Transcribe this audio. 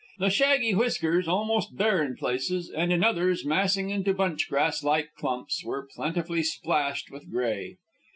The shaggy whiskers, almost bare in places, and in others massing into bunchgrass like clumps, were plentifully splashed with gray.